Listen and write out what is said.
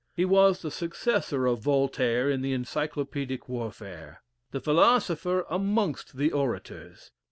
He was the successor of Voltaire in the Encyclopædic warfare. The philosopher amongst the orators.